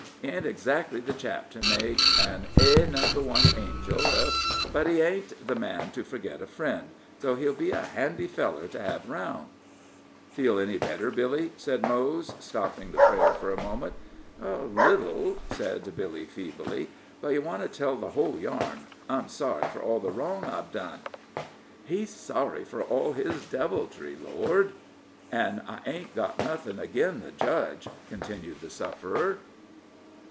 He ain't exactly the chap to make an A Number One Angel ef, but he ain't the man to forget a friend, so he'll be a handy feller to hev aroun'." "Feel any better, Billy?" said Mose, stopping the prayer for a moment. "A little," said Billy, feebly; "but you want to tell the whole yarn. I'm sorry for all the wrong I've done." "He's sorry for all his deviltry, Lord " "An' I ain't got nothin' agin the Judge," continued the sufferer.